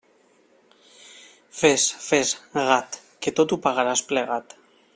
Fes, fes, gat, que tot ho pagaràs plegat.